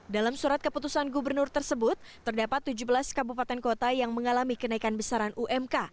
dalam surat keputusan gubernur tersebut terdapat tujuh belas kabupaten kota yang mengalami kenaikan besaran umk